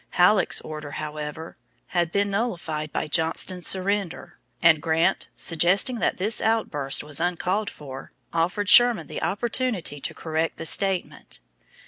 Halleck's order, however, had been nullified by Johnston's surrender, and Grant, suggesting that this outburst was uncalled for, offered Sherman the opportunity to correct the statement.